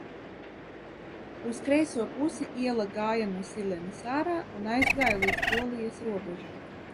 Uz kreiso pusi iela gāja no Silenes ārā un aizgāja līdz Polijas robežai.